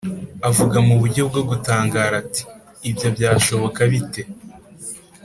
Avuga mu buryo bwo gutangara ati, “Ibyo byashoboka bite?”